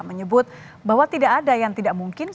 menyebut bahwa tidak ada yang tidak mungkin